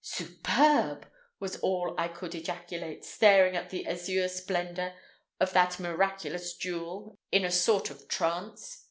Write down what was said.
"Superb!" was all I could ejaculate, staring at the azure splendor of that miraculous jewel in a sort of trance.